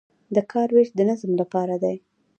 د کار ویش د نظم لپاره دی